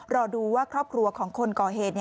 รอดูว่าครอบครัวของคนก่อเหตุ